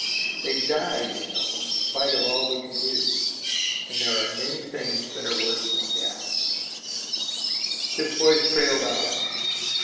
They die, you know, in spite of all we can do. And there are many things that are worse than death " His voice trailed off.